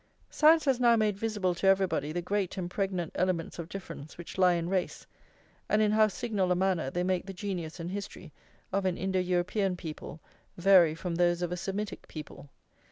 Science has now made visible to everybody the great and pregnant elements of difference which lie in race, and in how signal a manner they make the genius and history of an Indo European people vary from those of a Semitic people.